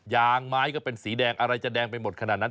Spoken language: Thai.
ยางไม้ก็เป็นสีแดงอะไรจะแดงไปหมดขนาดนั้น